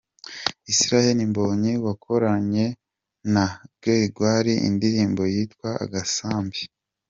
Israel Mbonyi wakoranye na Gregoir indirimbo yitwa Agasambi.